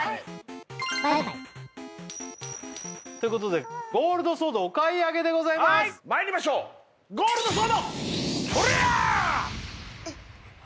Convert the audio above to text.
はいということでゴールドソードお買い上げでございますまいりましょうゴールドソードとりゃっ！